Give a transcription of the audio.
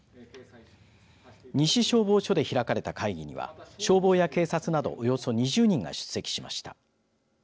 西消防署で開かれた会議には消防や警察などおよそ２０人が出席しました。